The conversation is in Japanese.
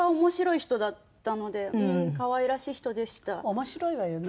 面白いわよね。